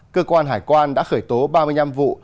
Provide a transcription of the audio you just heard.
cơ quan hải quan đã khởi tố ba mươi năm vụ